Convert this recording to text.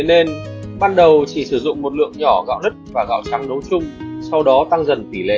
nên ban đầu chỉ sử dụng một lượng nhỏ gạo lứt và gạo trắng nấu chung sau đó tăng dần tỷ lệ